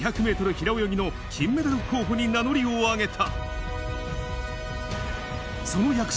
平泳ぎの金メダル候補に名乗りを上げた。